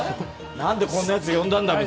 何でこんなやつ呼んだんだって。